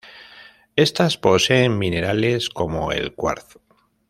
Estas poseen minerales como el cuarzo.